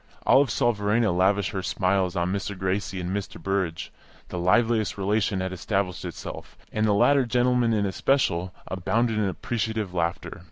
Olive saw Verena lavish her smiles on Mr. Gracie and Mr. Burrage; the liveliest relation had established itself, and the latter gentleman in especial abounded in appreciative laughter.